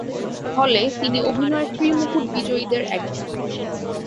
ফলে তিনি অভিনয়ের ত্রি-মুকুট বিজয়ীদের একজন।